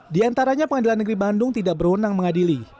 di antaranya pengadilan negeri bandung tidak berwenang mengadili